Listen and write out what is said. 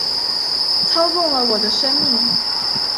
操纵了我的生命